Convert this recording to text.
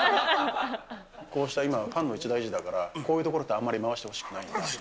こうした今、ファンの一大事から、こういうところってあんまり回してほしくないんだ。